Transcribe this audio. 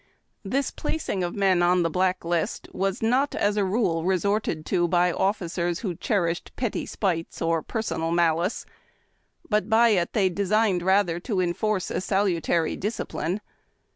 This placing of men on the black list was not as a rule resorted to by officers who cherished petty spites or personal malice, but by it they designed rather to enforce a salutary discipline.